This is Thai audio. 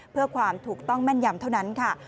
เพื่อความถูกต้องแม่นยำเท่านั้นค่ะ